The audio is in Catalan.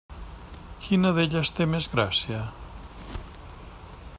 Quina d'elles té més gràcia?